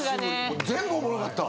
全部おもろかった。